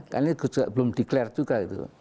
karena ini belum declare juga